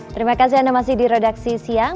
terima kasih anda masih di redaksi siang